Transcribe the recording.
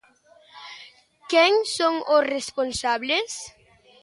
Quen son os responsables?